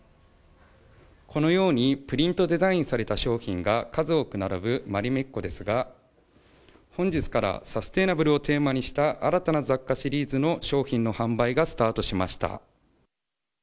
このようにプリントデザインされた商品が数多く並ぶマリメッコですが本日からサステイナブルをテーマにした新たな雑貨シリーズの商品の販売がスタートしました。